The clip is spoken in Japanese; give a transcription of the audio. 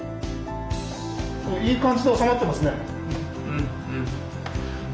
いい感じで収まってますね。